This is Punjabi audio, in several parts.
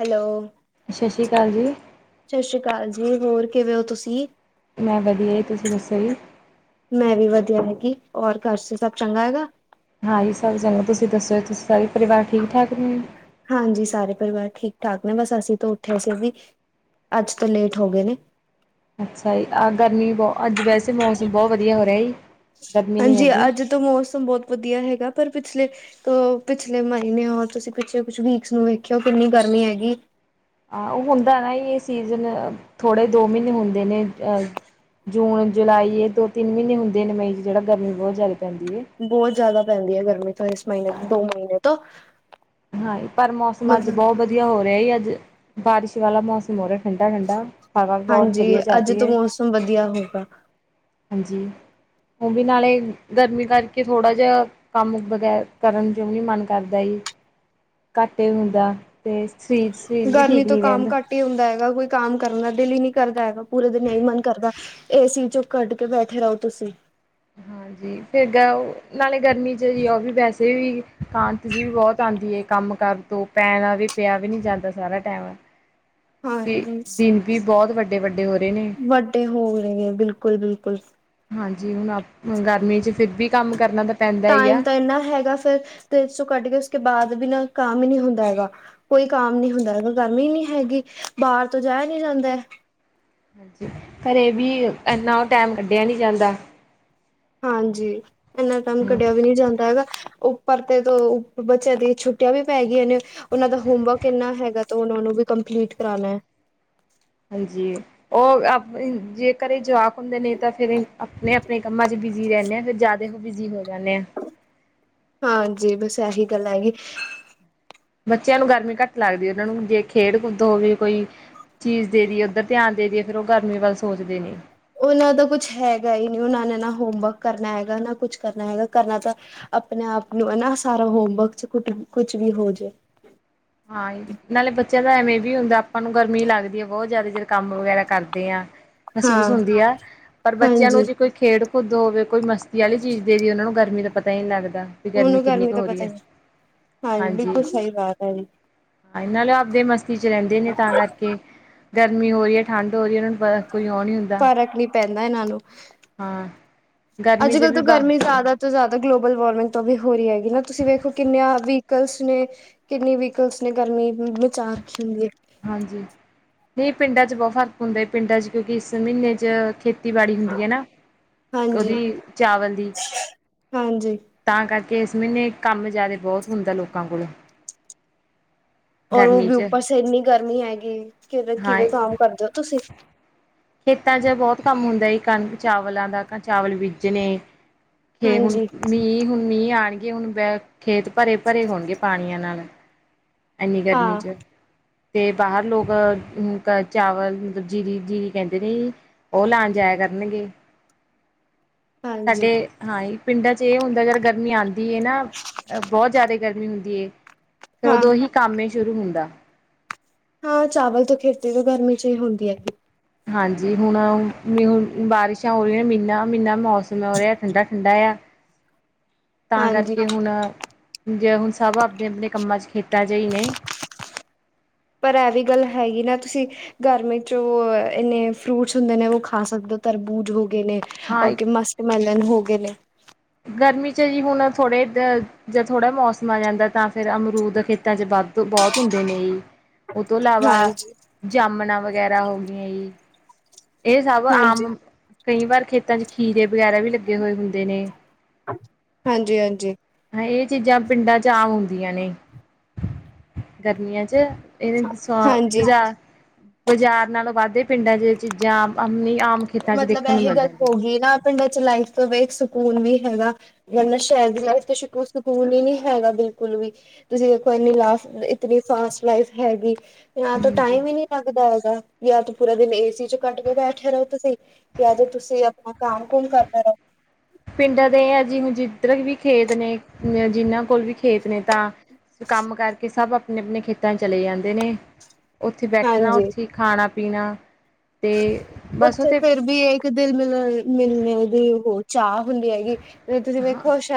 ਹੈਲੋ ਸਤਿ ਸ਼੍ਰੀ ਅਕਾਲ ਜੀ ਸਤਿ ਸ੍ਰੀ ਅਕਾਲ ਜੀ, ਹੋਰ ਕਿਵੇਂ ਹੋ ਤੁਸੀਂ ਮੈਂ ਵਧੀਆ ਜੀ, ਤੁਸੀਂ ਦੱਸੋ ਜੀ ਮੈਂ ਵੀ ਵਧੀਆ ਹੈਗੀ ਹੋ, ਔਰ ਘਰਸ ਸਭ ਚੰਗਾ ਹੈਗਾ ਹਾਂਜੀ ਸਭ ਚੰਗਾ, ਤੁਸੀਂ ਦੱਸੋ ਤੁਸੀਂ ਸਾਰੇ ਪਰਿਵਾਰ ਠੀਕ- ਠਾਕ ਨੇ ਹਾਂਜੀ ਸਾਰੇ ਪਰਿਵਾਰ ਠੀਕ- ਠਾਕ ਨੇ, ਬਸ ਅਸੀਂ ਤੋਂ ਉੱਠੇ ਸੀ ਵੀ ਅੱਜ ਤੋਂ ਲੇਟ ਹੋ ਗਏ ਨੇ ਅੱਛਾ ਜੀ, ਆਹ ਗਰਮੀ ਬਹੁ, ਅੱਜ ਵੈਸੇ ਮੌਸਮ ਬਹੁਤ ਵਧੀਆ ਹੋ ਰਿਹਾ ਜੀ ਗਰਮੀ ਨਹੀਂ ਹਾਂਜੀ, ਹੈਗੀ ਅੱਜ ਤੋਂ ਮੌਸਮ ਬਹੁਤ ਵਧੀਆ ਹੈਗਾ, ਪਰ ਪਿਛਲੇ ਤੋਂ ਪਿਛਲੇ ਮਹੀਨੇ ਹੋਰ ਤੁਸੀਂ ਪਿੱਛਲੇ ਕੁਛ ਵੀਕਸ ਨੂੰ ਵੇਖਿਓ ਕਿੰਨੀ ਗਰਮੀ ਹੈਗੀ ਆਹ ਉਹ ਹੁੰਦਾ ਨਾ ਇਹ ਸੀਜ਼ਨ, ਥੋੜ੍ਹੇ ਦੋ ਮਹੀਨੇ ਹੁੰਦੇ ਨੇ ਅਹ ਜੂਨ, ਜੁਲਾਈ ਇਹ ਦੋ -ਤਿੰਨ ਮਹੀਨੇ ਹੁੰਦੇ ਨੇ ਮਈ 'ਚ ਜਿਹੜਾ ਗਰਮੀ ਬਹੁਤ ਜ਼ਿਆਦਾ ਪੈਂਦੀ ਹੈ ਬਹੁਤ ਜ਼ਿਆਦਾ ਪੈਂਦੀ ਹੈ ਗਰਮੀ ਤੋਂ ਇਸ ਮਹੀਨੇ, ਦੋ ਮਹੀਨੇ ਤੋਂ ਹਾਂ, ਪਰ ਮੌਸਮ ਅੱਜ ਮਤਲਬ ਬਹੁਤ ਵਧੀਆ ਹੋ ਰਿਹਾ ਅੱਜ, ਬਾਰਿਸ਼ ਵਾਲਾ ਮੌਸਮ ਮੋਹਰੇ ਠੰਡਾ- ਠੰਡਾ, ਹਵਾ ਬਹੁਤ ਹਾਂਜੀ ਵਧੀਆ ਜਾ ਅੱਜ ਰਹੀ ਤੋਂ ਹੈ ਮੌਸਮ ਵਧੀਆ ਹੋਊਗਾ ਹਾਂਜੀ, ਉਹ ਵੀ ਨਾਲੇ, ਗਰਮੀ ਕਰਕੇ ਥੋੜ੍ਹਾ ਜਿਹਾ ਕੰਮ ਵਗੈ ਕਰਨ ਜੋ ਨੀ ਮਨ ਕਰਦਾ, ਘੱਟ ਹੀ ਹੁੰਦਾ, ਤੇ ਸਰੀਰ ਸਰੀਰ ਵੀ ਗਰਮੀ ਠੀਕ ਤੋਂ ਨੀ ਕੰਮ ਰਹਿੰਦਾ। ਘੱਟ ਹੀ ਹੁੰਦਾ ਹੈਗਾ ਕੋਈ ਕੰਮ ਕਰਨ ਦਾ ਦਿਲ ਹੀ ਨ੍ਹੀਂ ਕਰਦਾ ਹੈਗਾ ਪੂਰੇ ਦਿਨ ਇ ਮਨ ਕਰਦਾ ਏ ਸੀ ਚੋਂ ਕੱਢ ਕੇ ਬੈਠੇ ਰਹੋ ਤੁਸੀਂ। ਹਂ। ਜੀ ਫਿਰ ਗ ਨਾਲੇ ਗਰਮੀ ਚ ਜੀ ਉਹ ਵੀ ਵੈਸੇ ਵੀ ਕਾਂਤ ਜੀ ਵੀ ਬਹੁਤ ਆਂਦੀ ਐ ਕੰਮ ਕਾਰ ਤੂੰ ਪੈਣ ਵੀ ਪਿਆ ਵੀ ਨੀ ਜਾਂਦਾ ਸਾਰਾ ਟਾਈਮ ਤੇ ਹਾਂਜੀ ਦਿਨ ਵੀ ਬਹੁਤ ਵੱਡੇ-ਵੱਡੇ ਹੋ ਰਹੇ ਨੇ। ਵੱਡੇ ਹੋ ਰੇ ਬਿਲਕੁਲ ਬਿਲਕੁਲ। ਹਾਂਜੀ ਹੁਣ ਅਪ ਗਰਮੀ ਚ ਫਿਰ ਵੀ ਕੰਮ ਕਰਨਾ ਤਾਂ ਪੈਂਦਾ ਈ ਆ। ਟਾਈਮ ਤਾਂ ਇੰਨਾ ਹੈਗਾ ਫੇਰ ਤੇ ਸੋ ਕੱਟ ਕੇ ਉਸ ਬਾਅਦ ਵੀ ਨਾ ਕੰਮ ਹੀ ਨ੍ਹੀਂ ਹੁੰਦਾ ਹੈਗਾ। ਕੋਈ ਕਾਮ ਨੀ ਹੁੰਦਾ ਹੈਗਾ ਗਰਮੀ ਇੰਨੀ ਹੈਗੀ ਬਾਹਰ ਤੋਂ ਜਾਇਆ ਨੀ ਜਾਂਦਾ। ਘਰੇ ਵੀ ਇਨਾ ਉਹ ਟੈਮ ਕੱਢਿਆ ਨੀ ਜਾਂਦਾ। ਹਾਂਜੀ ਇਨਾ ਕੰਮ ਕੱਢਿਆ ਵੀ ਨ੍ਹੀਂ ਜਾਂਦਾ ਹੈਗਾ ਉਹ ਪਰਤੇ ਤੋਂ ਬੱਚਿਆਂ ਦੀ ਛੁੱਟੀਆਂ ਵੀ ਪੈ ਗਈਆਂ ਨੇ। ਉਹਨਾਂ ਦਾ ਹੋਮਵਰਕ ਇੰਨਾ ਹੈਗਾ ਤਾਂ ਉਹਨਾਂ ਨੂੰ ਵੀ ਕੰਪਲੀਟ ਕਰਾਣਾ ਐ। ਹਾਂਜੀ। ਉਹ ਆਪ ਜ ਜੇ ਘਰੇ ਜਵਾਕ ਹੁੰਦੇ ਨੇ ਤਾਂ ਫੇਰ ਆਪਣੇ-ਆਪਣੇ ਕੰਮਾਂ ਚ ਬਿਜ਼ੀ ਰਹਿੰਣੇ ਆਂ ਫਿਰ ਜ਼ਿਆਦਾ ਦੇਖੋ ਬਿਜੀ ਹੋ ਜਾਂਣੇ ਆਂ। ਹਾਂਜੀ ਬਸ ਇਹੀ ਗੱਲ ਹੈਗੀ। ਬੱਚਿਆਂ ਨੂੰ ਗਰਮੀ ਘੱਟ ਲੱਗਦੀ ਉਹਨਾਂ ਨੂੰ ਜੇ ਖੇਡ ਕੂਦ ਹੋਵੇ ਕੋਈ ਚੀਜ਼ ਦੇ ਦੇਦੀਏ ਉੱਧਰ ਧਿਆਨ ਦੇਦੀਏ ਫੇਰ ਉਹ ਗਰਮੀ ਵੱਲ ਸੋਚਦੇਣੇ। ਉਹਨਾਂ ਦਾ ਕੁਛ ਹੈਗਾ ਈ ਨ੍ਹੀਂ ਉਹਨਾਂ ਨੇ ਨਾ ਹੋਮਵਰਕ ਕਰਨਾ ਹੈਗਾ, ਨਾ ਕੁਛ ਕਰਨਾ ਹੈਗਾ ਕਰਨਾ ਤਾਂ ਆਪਣੇ ਆਪ ਨੂੰ ਹਨਾ ਸਾਰਾ ਹੋਮਵਰਕ ਚ ਕੁ ਕੁਛ ਵੀ ਹੋ ਜੇ। ਹਾਂਈ। ਨਾਲੇ ਬੱਚਿਆਂ ਦਾ ਐਵੇਂ ਵੀ ਹੁੰਦਾ ਆਪਾਂ ਨੂੰ ਗਰਮੀ ਲੱਗਦੀ ਐ, ਬਹੁਤ ਜ਼ਿਆਦਾ ਜਦੋਂ ਕੰਮ ਵਗੈਰਾ ਕਰਦੇ ਆਂ। ਮਹਿਸੂਸ ਹਾਂ ਹੁੰਦੀ ਐ ਪਰ ਬੱਚਿਆਂ ਨੂੰ ਹਾਂਜੀ ਜੇ ਕੋਈ ਖੇਡ ਖੁਦ ਹੋਵੇ ਕੋਈ ਮਸਤੀ ਵਾਲੀ ਚੀਜ਼ ਦੇ ਦੀਏ ਉਹਨਾ ਨੂੰ ਗਰਮੀ ਦਾ ਪਤਾ ਈ ਨੀ ਲੱਗਦਾ। ਵੀ ਊਨੂੰ ਕਿੰਨੀ ਗਰਮੀ ਕੁ ਦਾ ਹੋ ਰਹੀ ਪਤਾ ਹੈ ਹੀ ਨਈ, ਹਾਂਜੀ ਬਿਲਕੁਲ ਸਹੀ ਬਾਤ ਐ ਜੀ। ਏ ਨਾਲੇ ਆਪਦੇ ਮਸਤੀ ਚ ਰਹਿੰਦੇ ਨੇ ਤਾਂ ਕਰਕੇ। ਗਰਮੀ ਹੋ ਰਹੀਏ, ਠੰਡ ਰਹੀਏ, ਉਹਨਾਂ ਨੂੰ ਬ ਕੋਈ ਆਉਂ ਹੁੰਦੀ ਫ਼ਰਕ ਨੀ ਪੈਂਦਾ ਇਹਨਾਂ ਨੂੰ ਹਾਂ ਗਰਮੀ 'ਚ ਅੱਜ-ਕੱਲ ਵੀ ਤੋਂ ਬ ਗਰਮੀ ਜ਼ਿਆਦਾ ਤੋਂ ਜ਼ਿਆਦਾ ਗਲੋਬਲ ਵਾਰਮਿੰਗ ਤੋਂ ਵੀ ਹੋ ਰਹੀ ਹੈਗੀ ਨਾ ਤੁਸੀਂ ਵੇਖੋ ਕਿੰਨੀਆਂ ਵਹੀਕਲਸ ਨੇ ਕਿੰਨੀ ਵਹੀਕਲਸ ਨੇ ਗਰਮੀ ਮਚਾ ਰੱਖੀ ਹੁੰਦੀ। ਹਾਂਜੀ, ਨਈਂ ਪਿੰਡਾਂ ਚ ਬਹੁਤ ਹੁੰਦੇ ਪਿੰਡਾਂ ਚ ਕਿਉਂਕਿ ਇਸ ਮਹੀਨੇ ਚ ਖੇਤੀ ਖੇਤੀਬਾੜੀ ਹੁੰਦੀ ਐ ਨਾ ਉਹਦੀ ਹਾਂਜੀ ਚਾਵਲ ਦੀ ਹਾਂਜੀ ਤਾਂ ਕਰਕੇ ਇਸ ਮਹੀਨੇ ਕੰਮ ਜ਼ਿਆਦਾ ਬੋਤ ਹੁੰਦਾ ਲੋਕਾਂ ਕੋਲੋ। ਔਰ ਉਹ ਵੀ 'ਚ ਉੱਪਰ ਸ ਇੰਨੀ ਗਰਮੀ ਹੈਗੀ ਕਿ ਹਾਂ ਕਿਵੇਂ ਕੰਮ ਕਰਦੇ ਔ ਤੁਸੀਂ। ਖੇਤਾਂ ਚ ਬਹੁਤ ਕੰਮ ਹੁੰਦਾ ਜੀ ਕਣਕ ਚਾਵਲਾਂ ਦਾ ਚਾਵਲ ਬੀਜਣੇ। ਖੇ ਹੁਣ ਹਾਂਜੀ ਮੀਂਹ ਹੁਣ ਮੀਂਹ ਆਣਗੇ ਹੁਣ ਬ ਖੇਤ ਭਰੇ-ਭਰੇ ਹੋਣਗੇ ਪਾਣੀਆਂ ਨਾਲ। ਇੰਨੀਂ ਗਰਮੀ ਹਾਂ ਚ। ਤੇ ਬਾਹਰ ਲੋਕ ਕ ਚਾਵਲ ਮਤਲਬ ਜੀਰੀ ਜੀਰੀ ਕਹਿੰਦੇ ਨੇ। ਉਹ ਲਾਣ ਜਾਇਆ ਕਰਨਗੇ, ਸਾਡੇ ਹਾਂਜੀ ਹਾਂਜੀ ਪਿੰਡਾਂ ਚ ਇਹ ਹੁੰਦਾ ਜਾਰ ਗਰਮੀ ਆਂਦੀ ਏ ਨਾ ਬਹੁਤ ਜ਼ਿਆਦਾ ਗਰਮੀ ਹੁੰਦੀ ਐ। ਫਿਰ ਹਾਂ ਉਦੋਂ ਉਹੀ ਕੰਮ ਏ ਸ਼ੁਰੂ ਹੁੰਦਾ। ਹਾਂ ਚਾਵਲ ਤੋਂ ਖੇਰਤੀਦੇ ਜੋ ਗਰਮੀ ਚ ਈ ਹੁੰਦੀ ਐ। ਹਾਂਜੀ ਹੁਣ ਹੁ ਬਾਰਿਸ਼ਾਂ ਹੋ ਰਈਆਂ ਨੇ ਮ੍ਹੀਨਾ -ਮ੍ਹੀਨਾ ਮੌਸਮ ਹੋ ਰਿਹਾ ਠੰਡਾ-ਠੰਡਾ ਆ। [inaudible] ਤਾਂ ਹਾਂਜੀ ਕਰਕੇ ਹੁਣ ਜ ਹੁਣ ਸਭ ਆਪਣੇ-ਆਪਣੇ ਕੰਮਾਂ 'ਚ ਖੇਤਾਂ ਜੇ ਈ ਨੇ। ਪਰ ਇਹ ਵੀ ਗੱਲ ਹੈਗੀ ਨਾ ਤੁਸੀਂ ਗਰਮੀ 'ਚ ਓ ਇਨੇ ਫਰੂਟਸ ਹੁੰਦੇ ਨੇ ਓ ਖਾ ਸਕਦੇ ਹੋ ਤਰਬੂਜ ਹੋ ਗਏ ਨੇ। ਹਾਂ ਇੱਕ ਓਕੇ ਮਸਤ ਮੈਲਨ ਹੋਗੇ ਨੇ। ਗਰਮੀ 'ਚ ਜੀ ਹੁਣ ਥੋੜੇ ਜ ਥੋੜ੍ਹਾ ਮੌਸਮ ਆ ਜਾਂਦਾ ਤਾਂ ਫਿਰ ਅਮਰੂਦ ਖੇ ਖੇਤਾਂ 'ਚ ਵੱਧ ਬੋਤ ਹੁੰਦੇ ਨੇ ਜੀ। ਓ ਤੋਂ ਇਲਾਵਾ ਹਾਂਜੀ ਜਾਮਣਾ ਵਗੈਰਾ ਹੋ ਗਈਆਂ ਜੀ। ਇਹ ਸਭ ਹਾਂਜੀ ਆਮ ਕਈ ਵਾਰ ਖੇਤਾਂ 'ਚ ਖੀਰੇ ਵਗੈਰਾ ਵੀ ਲੱਗੇ ਹੋਏ ਹੁੰਦੇ ਨੇ। ਹਾਂਜੀ-ਹਾਂਜੀ ਹ ਇਹ ਚੀਜ਼ਾਂ ਪਿੰਡਾਂ 'ਚ ਆਮ ਹੋਗੀਆਂ ਨੇ ਗਰਮੀਆਂ 'ਚ ਇਹਨ ਸ ਹਾਂਜੀ ਬਾਜ਼ਾਰ-ਬਾਜ਼ਾਰ ਨਾਲੋਂ ਵੱਧਦੇ ਪਿੰਡਾਂ 'ਚ ਚੀਜ਼ਾਂ ਆਪਣੀ ਆ ਆਮ ਖੇਤਾਂ 'ਚ ਮਤਲਬ ਦੇਖਣ ਨੂੰ ਇਹੀ ਮਿਲ ਗੱਲ ਜਾਂਦੀਆਂ ਹੋ ਗਈ ਨਾ ਪਿੰਡਾਂ 'ਚ ਲਾਈਫ ਤੋਂ ਵੇਖ ਸਕੂਨ ਵੀ ਹੈਗਾ। ਵਰਨਾ ਸ਼ਹਿਰ ਦੀ ਲਾਈਫ 'ਚ ਸਕੂਨ ਈ ਨੀ ਹੈਗਾ ਬਿਲਕੁਲ ਵੀ ਤੁਸੀਂ ਦੇਖੋ ਇੰਨੀ ਲਾਸ ਇਤਨੀ ਫਾਸਟ ਲਾਈਫ ਹੈਗੀ। ਜਾ ਤ ਹਾਂਜੀ ਟੈਮ ਈ ਨੀ ਲੱਗਦਾ ਹੈਗਾ ਵੀ ਤੂੰ ਪੂਰਾ ਦਿਨ ਏ ਸੀ 'ਚ ਕੱਟ ਕੇ ਬੈਠੇ ਰਓ। ਤੁਸੀ ਜਾਂ ਜੋ ਤੁਸੀਂ ਆਪਣਾ ਕੰਮ ਕੁਮ ਕਰ ਲੈਣਾ। ਪਿੰਡਾਂ ਦੇ ਹੈ ਜੀ ਹੁਣ ਜਿੱਧਰ ਵੀ ਖੇਤ ਨੇ ਜਿੰਨਾ ਕੋਲ ਵੀ ਖੇਤ ਨੇ ਤਾਂ ਕੰਮ ਕਰਕੇ ਸਭ ਆਪਣੇ-ਆਪਣੇ ਖੇਤਾਂ ਚਲੇ ਜਾਂਦੇ ਨੇ। ਉੱਥੇ ਬੈਠਣਾ ਹਾਂਜੀ। ਉੱਥੇ ਖਾਣਾ ਪੀਣਾ ਅਤੇ ਬਸ ਉੱਥੇ ਫਿਰ ਵੀ ਇੱਕ ਦਿਲ ਮਿਲ ਮਿਲਣੇ ਦੀ ਓ ਚਾਹ ਹੁੰਦੀ ਹੈਗੀ ਤੇ ਤੁਸੀਂ ਹਾਂ ਵੇਖੋ ਸ਼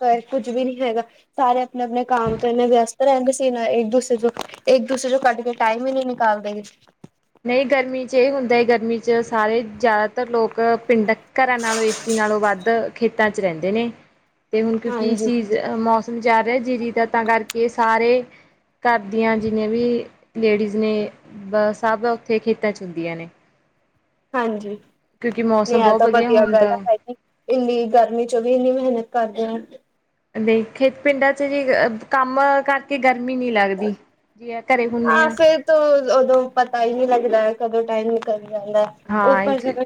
ਪਰ ਕੁਝ ਵੀ ਨਈ ਹੈਗਾ। ਸਾਰੇ ਆਪਣੇ-ਆਪਣੇ ਕੰਮ ਤੋਂ ਇਨੇ ਵਿਅਸਤ ਰੈਂਦੇ ਸੀ ਨਾ ਇੱਕ ਦੂਸਰੇ 'ਚ ਇੱਕ ਦੂਸਰੇ ਚੋਂ ਕੱਢ ਕੇ ਟਾਈਮ ਈ ਨਈ ਨਿਕਾਲਦੇ। ਨਈ ਗਰਮੀ 'ਚ ਇਹ ਹੁੰਦਾ ਹੈ ਗਰਮੀ 'ਚ ਸਾਰੇ ਜ਼ਿਆਦਾਤਰ ਲੋਕ ਪਿੰਡ ਘਰਾਂ ਨਾਲੋਂ ਏਸੀ ਨਾਲੋਂ ਵੱਧ ਖੇਤਾਂ 'ਚ ਰੈਂਦੇ ਨੇ ਤੇ ਹੁਣ ਕਿਉਂਕਿ ਹਾਂਜੀ ਸੀ। ਅ ਮੌਸਮ ਜਾ ਰਿਆ ਜੀਰੀ ਦਾ ਤਾਂ ਕਰਕੇ ਸਾਰੇ ਘਰ ਦੀਆਂ ਜਿੰਨੇ ਵੀ ਲੇਡੀਜ਼ ਨੇ ਬ ਸਭ ਉੱਥੇ ਖੇਤਾਂ 'ਚ ਹੁੰਦੀਆਂ ਨੇ। ਹਾਂਜੀ ਕਿਉਂਕਿ ਨਈ ਮੌਸਮ ਇਹ ਬਹੁਤ ਤਾਂ ਵਧੀਆ ਹੁਣ ਗੱਲ ਤਾਂ ਹੈਗੀ ਇੰਨੀ ਗਰਮੀ 'ਚ ਵੀ ਇੰਨੀ ਮੇਹਨਤ ਕਰਦੇ ਆਂ। ਖੇਤ ਪਿੰਡਾਂ 'ਚ ਜ ਕੰਮ ਕਰਕੇ ਗਰਮੀ ਨਈ ਲੱਗਦੀ। ਜੀ ਆ ਘਰੇ ਹੁੰਨੇ ਹਾਂ। ਉਦੋਂ ਪਤਾ ਈ ਨਈ ਲੱਗਦਾ ਕਦੋਂ ਟਾਇਮ ਨਿਕਲ ਜਾਂਦਾ ਹਾਂ ਉਪਰ ਇੱਕ ਜਦੋਂ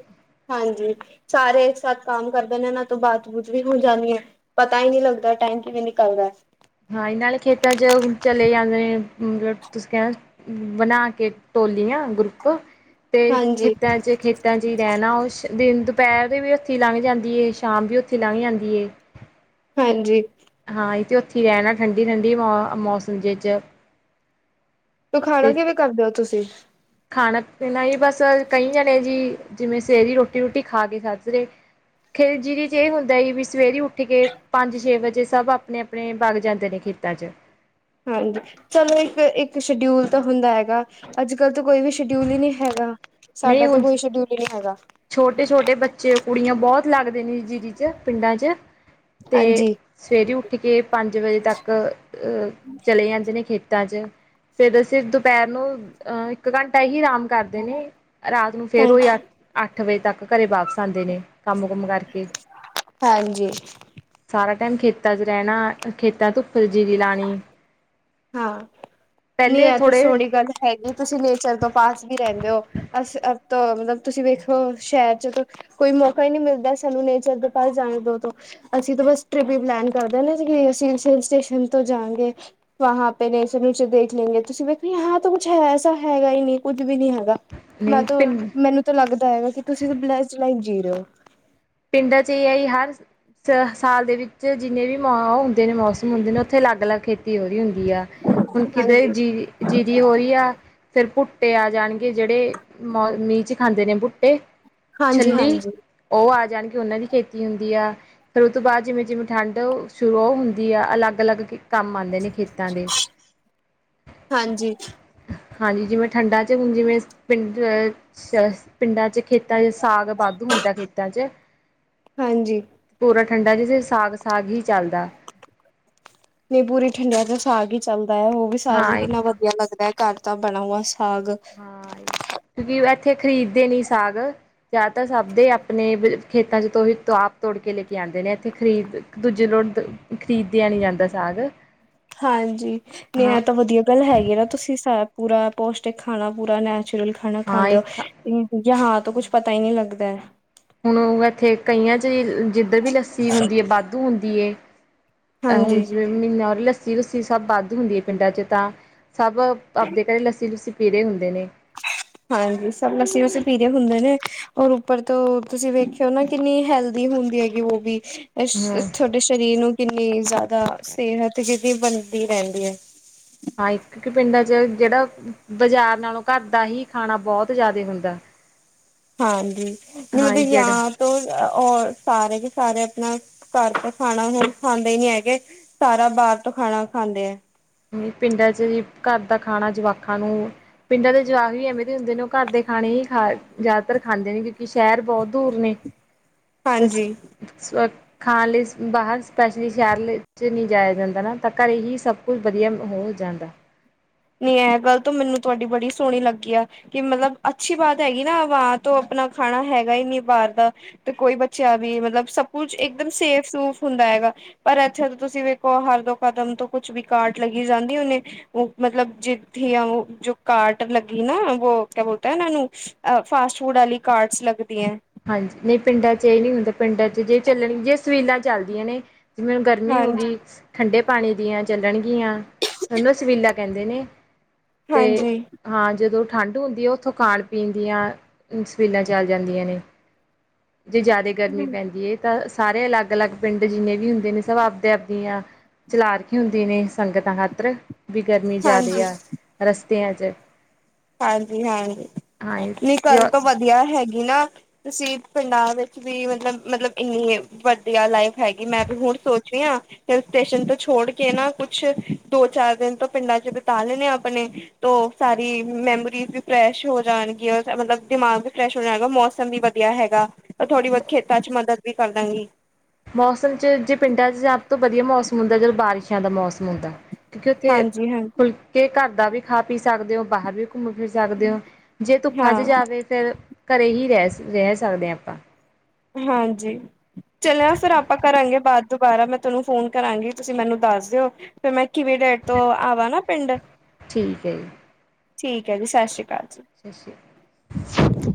ਹਾਂਜੀ ਸਾਰੇ ਇੱਕ ਸਾਥ ਕੰਮ ਕਰਦੇ ਨੇ ਇਹਨਾਂ ਤੋਂ ਬਾਤ ਬੂਤ ਵੀ ਹੋ ਜਾਂਨੀ ਹੈ। ਪਤਾ ਹੀ ਨਈ ਲੱਗਦਾ ਟਾਈਮ ਕਿਵੇਂ ਨਿਕਲਦਾ। ਹਾਂ ਇਹ ਨਾਲੇ ਖੇਤਾਂ 'ਚ ਚਲੇ ਜਾਂਦੇ ਨੇ ਮਤਬ ਤੁਸੀ ਕੈਂਣਾ ਬਣਾ ਕੇ ਟੋਲੀਆਂ ਗਰੁੱਪ ਤੇ ਹਾਂਜੀ ਖੇਤਾਂ 'ਚ ਖੇ ਖੇਤਾਂ 'ਚ ਰੈਂਣਾ ਉਸ ਦਿਨ ਦੁਪੈਰ ਵੀ ਉੱਥੇ ਲੰਘ ਜਾਂਦੀ ਏ ਸ਼ਾਮ ਵੀ ਉੱਥੇ ਲੰਘ ਜਾਂਦੀ ਏ। ਹਾਂਜੀ ਹਾਂ ਇਹ ਤੇ ਉੱਥੇ ਹੀ ਰੈਂਣਾ ਠੰਡੀ-ਠੰਡੀ ਵਾਂ ਮੌਸਮ ਜ 'ਚ ਤ ਖਾਣਾ ਅਤੇ ਕਿਵੇਂ ਕਰਦੇ ਓ ਤੁਸੀਂ ਖਾਣਾ ਪੀਣਾ ਈ ਬਸ ਕਈ ਜਾਣੇ ਜੀ ਜਿਵੇਂ ਸਵੇਰੀ ਰੋਟੀ ਰੂਟੀ ਖਾ ਕੇ ਸਜ ਰਏ। ਖਿਲ ਜੀਰੀ 'ਚ ਇਹ ਹੁੰਦਾ ਵੀ ਸਵੇਰੇ ਉੱਠ ਕੇ ਪੰਜ ਛੇ ਵਜੇ ਸਭ ਆਪਣੇ ਆਪਣੇ ਬਗ ਜਾਂਦੇ ਨੇ ਖੇਤਾਂ 'ਚ ਹਾਂਜੀ ਚਲੋ ਇੱਕ ਇੱਕ ਸ਼ਡਿਊਲ ਤਾਂ ਹੁੰਦਾ ਹੈਗਾ ਅੱਜ ਕੱਲ੍ਹ ਤਾਂ ਕੋਈ ਵੀ ਸ਼ਡਿਊਲ ਹੀ ਨਹੀਂ ਹੈਗਾ ਨਹੀਂ ਸਾਡਾ ਤਾਂ ਹੁਣ ਕੋਈ ਸ਼ਡਿਊਲ ਹੀ ਨਹੀਂ ਹੈਗਾ ਛੋਟੇ ਛੋਟੇ ਬੱਚੇ ਕੁੜੀਆਂ ਬਹੁਤ ਲੱਗਦੇ ਨੇ ਜਿ ਚ ਪਿੰਡਾਂ ਚ ਤੇ ਹਾਂਜੀ ਸਵੇਰੇ ਉੱਠ ਕੇ ਪੰਜ ਵਜੇ ਤੱਕ ਅਹ ਚਲੇ ਜਾਂਦੇ ਨੇ ਖੇਤਾਂ 'ਚ ਫੇਰ ਅਸੀਂ ਦੁਪਹਿਰ ਨੂੰ ਅਹ ਇੱਕ ਘੰਟਾ ਹੀ ਆਰਾਮ ਕਰਦੇ ਨੇ ਰਾਤ ਨੂੰ ਫੇਰ ਉਹ ਹਾਂਜੀ ਯ ਅੱਠ ਵਜੇ ਤੱਕ ਘਰੇ ਵਾਪਸ ਆਉਂਦੇ ਨੇ ਕੰਮ ਕੁਮ ਕਰਕੇ ਹਾਂਜੀ ਸਾਰਾ ਟਾਈਮ ਖੇਤਾਂ ਚ ਰਹਿਣਾ ਖੇਤਾਂ ਧੁੱਪ ਜੀਰੀ ਲਾਣੀ ਹਾਂ ਨਹੀਂ ਪਹਿਲੇ ਇਹ ਤਾਂ ਥੋੜੇ ਸੋਹਣੀ ਗੱਲ ਹੈਗੀ ਤੁਸੀਂ ਨੇਚਰ ਤੋਂ ਪਾਸ ਵੀ ਰਹਿੰਦੇ ਹੋ ਅ ਤੋਂ ਮਤਲਬ ਤੁਸੀਂ ਵੇਖੋ ਸ਼ਹਿਰ ਚ ਕੋਈ ਮੌਕਾ ਹੀ ਨਹੀਂ ਮਿਲਦਾ ਸਾਨੂੰ ਨੇਚਰ ਦੇ ਪਾਸ ਜਾਣ ਤੋਂ ਤੋਂ ਅਸੀਂ ਤਾਂ ਬਸ ਟ੍ਰਿਪ ਹੀ ਪਲੈਨ ਕਰਦੇ ਨਾ ਅਸੀ ਸਟੇਸ਼ਨ ਤੋਂ ਜਾਗੇ ਵਹਾ ਪੇ ਨੇ ਨਚੇ ਦੇਖ ਲੈਂਦੇਗੇ ਤੁਸੀਂ ਵੇਖੋਾਂ ਤਾਂ ਕੁੱਛ ਹੈ ਐਸਾ ਹੈਗਾ ਹੀ ਨਹੀਂ ਕੁੱਝ ਵੀ ਨਹੀ ਹੈਗਾ ਮੈਂ ਨਹੀਂ ਤਾਂ ਪਿੰ ਮੈਨੂੰ ਤਾਂ ਲੱਗਦਾ ਹੈਗਾ ਕਿ ਤੁਸੀਂ ਬਲਾ ਚਲਾਈ ਜੀ ਰਹੇ ਹੋ ਪਿੰਡਾਂ ਚ ਏਹੀ ਹਾਲ ਸ ਸਾਲ ਦੇ ਵਿੱਚ ਜਿੰਨੇ ਵੀ ਮਾਂ ਹੁੰਦੇ ਨੇ ਮੋਸਮ ਹੁੰਦੇ ਨੇ ਉੱਥੇ ਅਲੱਗ ਅਲੱਗ ਖੇਤੀ ਹੋ ਰਹੀ ਹੁੰਦੀ ਆ ਹੁਣ ਕਿਤੇ ਹਾਂਜੀ ਜੀ ਜੀਰੀ ਹੋ ਰਹੀ ਆ ਫਿਰ ਭੁੱਟੇ ਆ ਜਾਣਗੇ ਜਿਹੜੇ ਮ ਮੀਂਹ ਚ ਖਾਂਦੇ ਨੇ ਬੂਟੇ ਹਾਂਜੀ ਛੱਲੀ ਹਾਂਜੀ ਉਹ ਆ ਜਾਣਗੀ ਉਹਨਾਂ ਦੀ ਖੇਤੀ ਹੁੰਦੀ ਆ ਫਿਰ ਉਸ ਤੋਂ ਬਾਅਦ ਜਿਵੇਂ-ਜਿਵੇਂ ਠੰਡ ਸ਼ੁਰੂ ਉਹ ਹੁੰਦੀ ਆ। ਅਲੱਗ ਅਲੱਗ ਕੀ ਕੰਮ ਆਦੇ ਨੇ ਖੇਤਾਂ ਦੇ। ਹਾਂਜੀ ਹਾਂਜੀ, ਜਿਵੇਂ ਠੰਡਾਂ ਚ ਹੁਣ ਜਿਵੇਂ ਸ ਪਿੰਡ ਅ ਪਿੰਡਾਂ ਚ ਖੇਤ ਤਾਂਹੀਓਂ ਸਾਗ ਵਾਧੂ ਹੁੰਦਾ, ਖੇਤਾਂ 'ਚ। ਹਾਂਜੀ। ਪੂਰਾ ਠੰਡਾਂ 'ਚ ਜੀ, ਸਾਗ-ਸਾਗ ਹੀ ਚੱਲਦਾ। ਨਹੀਂ ਪੂਰੀ ਠੰਡਿਆਂ 'ਚ ਸਾਗ ਹੀ ਚੱਲਦਾ ਹੈ। ਉਹ ਵੀ ਸਾਗ ਹਾਂ ਵੀ ਇੱਕ ਕਿੰਨਾ ਵਧ ਯਾ ਦਾ ਘਰ ਦਾ ਬਣਾ ਹੂਆ ਸਾਗ। ਹਾਂ, ਕਿਉਂਕਿ ਇੱਥੇ ਖ਼ਰੀਦਦੇ ਨੀ ਸਾਗ। ਜ਼ਿਆਦਾਤਰ ਸਭ ਦੇ ਆਪਣੇ ਵ ਖੇਤਾਂ 'ਚ ਤੋਂ ਹੀ ਆਪ ਤੋੜ ਕੇ ਲੈ ਕੇ ਆਉਂਦੇ ਨੇ। ਇੱਥੇ ਖਰੀਦ ਦੂਜੀੇ ਰੋ ਖਰੀਦਿਆ ਨੀ ਜਾਂਦਾ ਸਾਗ। ਹਾਂਜੀ, ਨੀ ਇਹ ਹਾਂ ਤਾਂ ਵਧੀਆ ਗੱਲ ਹੈਗੀ ਨਾ ਤੁਸੀਂ ਸੱਭ ਪੂਰਾ ਪੌਸ਼ਟਿਕ ਖਾਣਾ, ਪੂਰਾ ਨੈਚੁਰਲ ਖਾਣਾ ਹਾਂ ਖਾਂਦੇ ਇੱਕ ਹੋ ਜਹਾਂ ਤੋਂ ਕੁੱਝ ਪਤਾ ਹੀ ਨਹੀਂ ਲੱਗਦਾ। ਹੁਣ, ਉਹ ਇੱਥੇ ਕਈਆਂ ਚ ਜਿੱਧਰ ਵੀ ਲੱਸੀ ਹੁੰਦੀ ਹੈ, ਵਾਧੂ ਹੁੰਦੀ ਹੈ। ਅਹ, ਹੁਣ ਹਾਂਜੀ ਜਿਵੇਂ ਮਹੀਨਾ ਲੱਸੀ-ਲੁੱਸੀ ਸੱਭ ਵਾਧੂ ਹੁੰਦੀ ਹੈ ਪਿੰਡਾਂ 'ਚ ਤਾਂ। ਸੱਭ ਆਪਦੇ ਘਰੇ ਲੱਸੀ-ਲੁੱਸੀ ਪੀ ਰਹੇ ਹੁੰਦੇ ਨੇ। ਹਾਂਜੀ, ਸੱਭ ਲੱਸੀ-ਲੁੱਸੀ ਪੀ ਰਹੇ ਹੁੰਦੇ ਨੇ ਔਰ ਉੱਪਰ ਤੋਂ ਤੁਸੀਂ ਵੇਖਿਓ ਨਾ ਕਿੰਨੀ ਹੈਲਦੀ ਹੁੰਦੀ ਹੈਗੀ ਵੋ ਬੀ। ਇਸ ਹਮ ਤੁਹਾਡੇ ਸਰੀਰ ਨੂੰ ਕਿੰਨੀ ਜ਼ਿਆਦਾ ਸਿਹਤ ਕਿੱਡੀ [unintelligible] ਬਣਦੀ ਰਹਿੰਦੀ ਹੈ। ਹਾਂ, ਇੱਕ ਇੱਕ ਪਿੰਡਾਂ 'ਚ ਜਿਹੜਾ ਬਜਾਰ ਨਾਲੋਂ ਘਰ ਦਾ ਹੀ ਖਾਣਾ ਬਹੁਤ ਜਿਆਦਾ ਹੁੰਦਾ। ਹਾਂਜੀ, ਮੈਨੂੰ ਹਾਂ ਤੇ ਜਿਹੜਾ ਯਾਦ ਔਰ-ਔਰ ਸਾਰੇ ਕੇ ਸਾਰੇ ਆਪਣਾ ਘਰ ਦਾ ਖਾਣਾ ਹੁਣ ਖਾਂਦੇ ਹੀ ਨੀ ਹੈਗੇ। ਸਾਰਾ ਬਾਹਰ ਤੋਂ ਖਾਣਾ ਖਾਂਦੇ ਆ। ਨੀ ਪਿੰਡਾਂ ਚ ਵੀ ਘਰ ਦਾ ਖਾਣਾ ਜਵਾਕਾਂ ਨੂੰ ਪਿੰਡਾਂ ਦੇ ਜਵਾਕ ਵੀ ਐਵੇਂ ਦੇ ਹੁੰਦੇ ਨੇ, ਉਹ ਘਰ ਦੇ ਖਾਣੇ ਹੀ ਖਾ ਜ਼ਿਆਦਾਤਰ ਖਾਂਦੇ ਨੇ ਕਿਉਂਕਿ ਸ਼ਹਿਰ ਬੋਤ ਦੂਰ ਨੇ। ਦੱਸ? ਹਾਂਜੀ ਸੋ ਖਾਣ ਲਈ ਸ ਬਾਹਰ ਸਪੈਸ਼ਲੀ ਸ਼ਹਿਰ ਲਈ 'ਚ ਨਹੀਂ ਜਾਇਆ ਜਾਂਦਾ ਨਾ, ਤਾਂ ਘਰੇ ਹੀ ਸਭ ਕੁਝ ਵਧੀਆ ਮਹੋਲ ਹੋ ਜਾਂਦਾ। ਨੀ ਐ ਗੱਲ ਤਾਂ ਮੈਨੂੰ ਤੁਹਾਡੀ ਬੜੀ ਸੋਹਣੀ ਲੱਗੀ ਆ। ਕਿ ਮਤਲਬ ਅੱਛੀ ਬਾਤ ਹੈਗੀ ਨਾ, ਵਾਂ ਤੋਂ ਆਪਣਾ ਖਾਣਾ ਹੈਗਾ ਹੀ ਨੀ ਬਾਹਰ ਦਾ। ਤੇ ਕੋਈ ਬੱਚਾ ਵੀ ਮਤਲਬ ਸਭ ਕੁਛ ਇੱਕਦਮ ਸੇਫ-ਸੂਫ ਹੁੰਦਾ ਹੈਗਾ। ਪਰ ਇੱਥੇ ਤੁਸੀਂ ਵੇਖੋ, ਹਰ ਦੋ ਕਦਮ ਤੋਂ ਕੁਛ ਵੀ ਕਾਰਟ ਲੱਗੀ ਜਾਂਦੀ, ਹੁਣੇ ਉਹ ਮਤਲਬ ਜਿੱਥੇ ਉਹ ਜੋ ਕਾਰਟ ਲੱਗੀ ਨਾ, ਵੋ ਕਿਆ ਬੋਲਤੇ ਉਹਨਾਂ ਨੂੰ ਅ ਫਾਸਟ ਫੂਡ ਆਲੀ ਕਾਰਟਸ ਲੱਗਦੀਐਂ। ਹਾਂਜੀ, ਨਹੀਂ, ਪਿੰਡਾਂ ਚ ਇਹ ਨਹੀਂ ਹੁੰਦਾ, ਪਿੰਡਾਂ ਚ ਜੇ ਚੱਲਣ ਜੇ ਸਵੀਲਾਂ ਚੱਲਦੀਆਂ ਨੇ। ਜਿਵੇਂ ਹੁਣ ਗਰਮੀ ਹੋ ਹਾਂਜੀ ਗਈ। ਠੰਡੇ ਪਾਣੀ ਦੀਆਂ ਚੱਲਣਗੀਆਂ, ਉਹਨੂੰ ਸਵੀਲਾਂ ਕਹਿੰਦੇ ਨੇ ਤੇ ਹਾਂਜੀ ਹਾਂ, ਜਦੋਂ ਠੰਢ ਹੁੰਦੀ ਹੈ, ਉੱਥੋਂ ਖਾਣ-ਪੀਣ ਦੀਆਂ ਸਵੀਲਾਂ ਚੱਲ ਜਾਂਦੀਆਂ ਨੇ। ਜੇ ਜ਼ਿਆਦੇ ਗਰਮੀ ਪੈਂਦੀ ਏ ਕ ਸਾਰੇ ਅਲੱਗ-ਅਲੱਗ ਪਿੰਡ ਜਿੰਨੇ ਵੀ ਹੁੰਦੇ ਨੇ ਸਭ ਆਪਦੇ ਆਪਦੀਆਂ ਚਲਾ ਰੱਖੇ ਹੁੰਦੇ ਨੇ ਸੰਗਤਾਂ ਖਾਤਰ। ਵੀ ਗਰਮੀ ਜ਼ਿਆਦੇ ਹਾਂਜੀ ਆ ਰਸਤਿਆਂ ਚ। ਹਾਂਜੀ-ਹਾਂਜੀ, ਹਾਂ ਨਹੀਂ ਜ ਗੱਲ ਤੋਂ ਵਧੀਆ ਹੈਗੀ ਨਾ ਤੁਸੀਂ ਪਿੰਡਾਂ ਵਿੱਚ ਵੀ ਮਤਲਬ, ਮਤਲਬ ਇੰਨੀ ਵਧੀਆ ਲਾਈਫ ਹੈਗੀ, ਮੈਂ ਵੀ ਹੁਣ ਸੋਚ ਰਹੀ ਹਾਂ ਹਿੱਲ ਸਟੇਸ਼ਨ ਤੋਂ ਛੋੜ ਕੇ ਨਾ ਕੁਛ ਦੋ ਚਾਰ ਦਿਨ ਤੋਂ ਪਿੰਡਾਂ ਚ ਬਿਤਾ ਲੈਣੇ ਆਪਣੇ। ਤੋ ਸਾਰੀ ਮੈਮੋਰੀਜ਼ ਵੀ ਫਰੈਸ਼ ਹੋ ਜਾਣਗੀਆਂ ਉੱਥੇ, ਮਤਲਬ ਦਿਮਾਗ ਵੀ ਫਰੈਸ਼ ਹੋ ਜਾਏਗਾ, ਮੌਸਮ ਵੀ ਵਧੀਆ ਹੈਗਾ। ਔਰ ਥੋੜੀ ਬਹੁਤ ਖੇਤਾਂ ਚ ਮਦਦ ਵੀ ਕਰਦਾਂਗੀ। ਮੌਸਮ ਚ ਜੇ ਪਿੰਡਾਂ ਚ ਸਭ ਤੋਂ ਬਧੀਆ ਮੌਸਮ ਹੁੰਦਾ, ਜਦੋਂ ਬਾਰਿਸ਼ਾਂ ਦਾ ਮੌਸਮ ਹੁੰਦਾ। ਕਿਉਂਕਿ ਉੱਥੇ ਹਾਂਜੀ ਹਾਂ ਖੁਲਕੇ ਘਰ ਦਾ ਵੀ ਖਾ ਪੀ ਸਕਦੇ ਹੋ, ਬਾਹਰ ਵੀ ਘੁੰਮ ਫਿਰ ਸ ਸਕਦੇ ਹੋ ਜੇ ਧੁੱੱਖਾਂ ਚ ਹਾਂ ਜਾਵੇ ਫਿਰ ਘਰੇ ਹੀ ਰਹਿ ਰਹਿ ਸਕਦੇ ਹਾਂ ਆਪਾਂ ਹਾਂਜੀ ਚਲਿਆ ਫਿਰ ਆਪਾਂ ਕਰਾਂਗੇ ਬਾਅਦ। ਦੁਬਾਰਾ ਮੈਂ ਤੁਹਾਨੂੰ ਫੋਨ ਕਰਾਂਗੀ, ਤੁਸੀਂ ਮੈਨੂੰ ਦੱਸ ਦਿਓ। ਫਿਰ ਮੈਂ ਕਿਵੇਂ ਡੇਰ ਤੋਂ ਆਵਾਂ ਨਾ ਪਿੰਡ ਠੀਕ ਹੈ ਜੀ ਠੀਕ ਹੈ ਜੀ ਸਸਰੀ ਅਕਾਲ ਜੀ ਸਤਿ ਸ਼੍ਰੀ ਅਕਾਲ